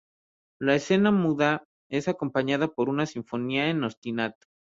La escena muda es acompañada por una sinfonía en ostinato.